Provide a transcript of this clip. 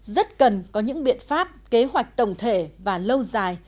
rất cần có những biện pháp kế hoạch tổng thể và lâu dài